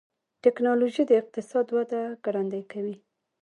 ټکنالوجي د اقتصاد وده ګړندۍ کوي.